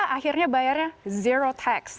akhirnya bayarnya zero tax